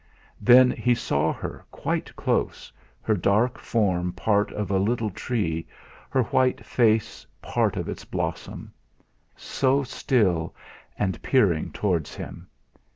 Then he saw her quite close her dark form part of a little tree, her white face part of its blossom; so still, and peering towards him.